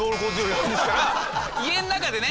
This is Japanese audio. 家の中でね。